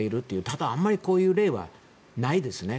ただ、あまりこういう例はないですね。